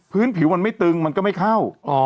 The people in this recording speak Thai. ผิวมันไม่ตึงมันก็ไม่เข้า